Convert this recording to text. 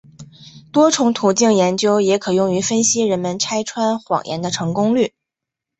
多重途径研究也可用于分析人们拆穿谎言的成功率。